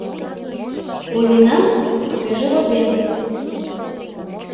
— Ойленам — тугеже возем.